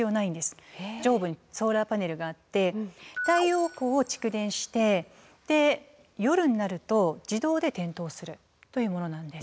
上部にソーラーパネルがあって太陽光を蓄電して夜になると自動で点灯するというものなんです。